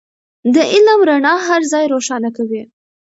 د علم رڼا هر ځای روښانه کوي.